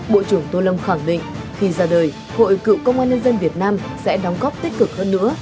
bộ trưởng tô lâm khẳng định khi ra đời hội cựu công an nhân dân việt nam sẽ đóng góp tích cực hơn nữa